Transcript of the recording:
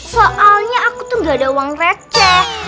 soalnya aku tuh gak ada uang receh